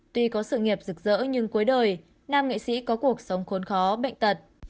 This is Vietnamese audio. tuy có sự nghiệp rực rỡ nhưng cuối đời nam nghệ sĩ có cuộc sống khốn khó bệnh tật